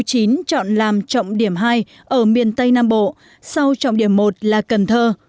nhiều người dân chọn làm trọng điểm hai ở miền tây nam bộ sau trọng điểm một là cần thơ